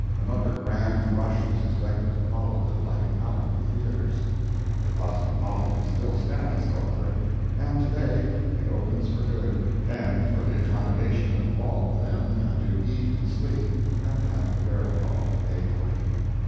Another grand rush was expected to follow the letting out of the theatres. The Cosmopolitan still stands, however, and to day it opens for good, and for the accommodation of all of them that do eat and sleep, and have the wherewithal to pay for it.